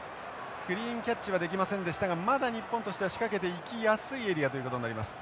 クリーンキャッチはできませんでしたがまだ日本としては仕掛けていきやすいエリアということになります。